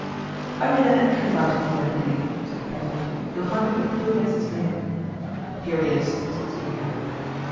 "I made an entry about him the other day," said the president. "You will find a good deal against his name." "Here he is," said Z again.